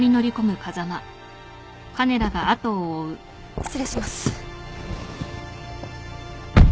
失礼します。